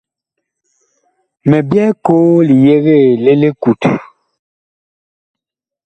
Mi byɛɛ koo li yegee li likut.